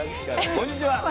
こんにちは。